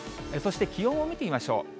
そして気温を見ていきましょう。